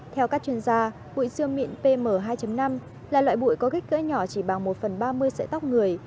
theo các chuyên gia bụi siêu mịn pm hai năm là loại bụi có kích cỡ nhỏ chỉ bằng một phần ba mươi sẽ tóc người